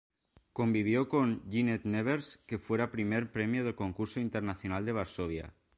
Convivió con Ginette Nevers, que fuera Primer Premio del Concurso Internacional de Varsovia.